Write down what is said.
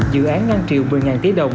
dự án ngăn triệu một mươi tỷ đồng